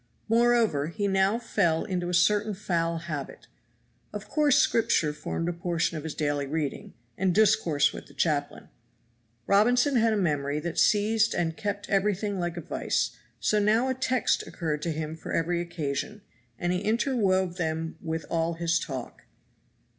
Moreover, he now fell into a certain foul habit. Of course Scripture formed a portion of his daily reading and discourse with the chaplain. Robinson had a memory that seized and kept everything like a vise, so now a text occurred to him for every occasion, and he interwove them with all his talk.